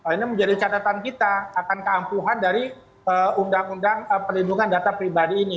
ini menjadi catatan kita akan keampuhan dari undang undang perlindungan data pribadi ini